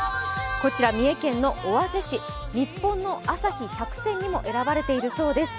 三重県の尾鷲市、日本の朝日百選にも選ばれているそうです。